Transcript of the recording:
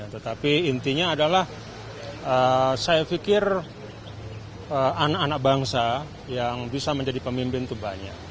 tetapi intinya adalah saya pikir anak anak bangsa yang bisa menjadi pemimpin itu banyak